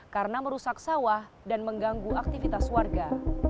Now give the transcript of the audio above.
karena merusak sawah dan mengganggu aktivitas warga